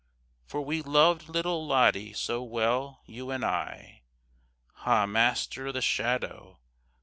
For we loved little Lottie so well, you and I. Ha, master, the shadow!